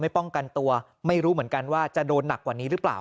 ป้องกันตัวไม่รู้เหมือนกันว่าจะโดนหนักกว่านี้หรือเปล่า